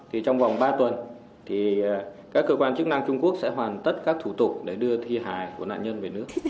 thì trong vòng ba tuần thì các cơ quan chức năng trung quốc sẽ hoàn tất các thủ tục để đưa thi hài của nạn nhân về nước